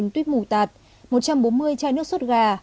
ba tuyết mù tạt một trăm bốn mươi chai nước suốt gà